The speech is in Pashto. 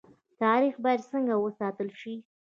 تاریخ باید څنګه وساتل شي؟